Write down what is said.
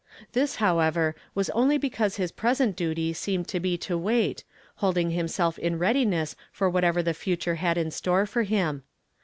Tliis, however, was only because his pres ent duty seemed to be to wait, holding himself in readiness for whatever the future had in store for him.